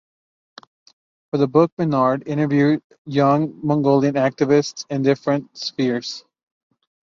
For the book Menard interviewed young Mongolian activists in different spheres.